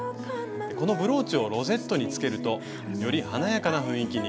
このブローチをロゼットにつけるとより華やかな雰囲気に。